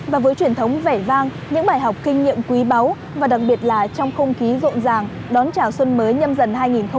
và với truyền thống vẻ vang những bài học kinh nghiệm quý báu và đặc biệt là trong không khí rộn ràng đón chào xuân mới nhâm dần hai nghìn hai mươi bốn